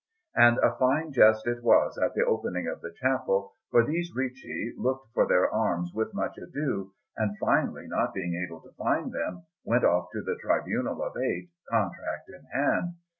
And a fine jest it was at the opening of the chapel, for these Ricci looked for their arms with much ado, and finally, not being able to find them, went off to the Tribunal of Eight, contract in hand.